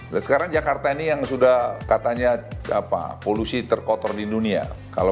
nah sekarang jakarta ini yang sudah katanya polusi terkotor di dunia